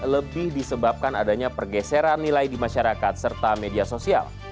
lebih disebabkan adanya pergeseran nilai di masyarakat serta media sosial